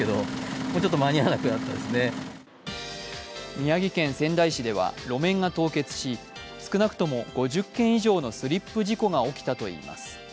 宮城県仙台市では路面が凍結し少なくとも５０件以上のスリップ事故が起きたといいます。